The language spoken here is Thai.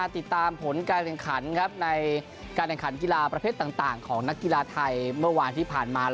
ติดตามผลการเอนกรรมการเอนกรรมกีฬาประเภทต่างต่างของนักกีฬาไทยเมื่อวานที่ผ่านมา